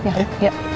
dibesarkan tadi ya kan